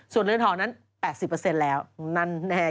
ส่วนเรือนทองนั้น๘๐แล้วนั่นแน่